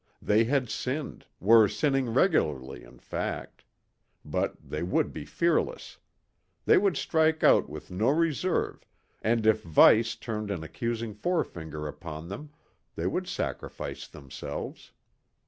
They had sinned, were sinning regularly in fact. But they would be fearless. They would strike out with no reserve and if Vice turned an accusing forefinger upon them, they would sacrifice themselves.